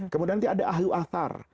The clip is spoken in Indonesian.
kemudian ada ahlu athar